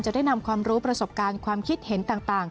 ได้นำความรู้ประสบการณ์ความคิดเห็นต่าง